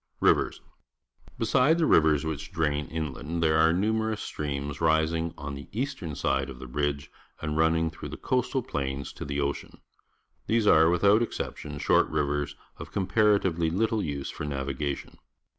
Rivers. — Besides the rivers which drain inland, there are num erous streams rising on the eastern side of the ridge and running through the coastal plain to the ocean. These are, without exception, short rivers of comparatively Iittl_e__use for navigation.